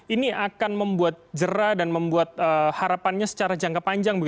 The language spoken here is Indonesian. ini akan membuat jerah dan membuat harapannya secara jangka panjang